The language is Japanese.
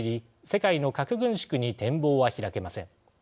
世界の核軍縮に展望は開けません。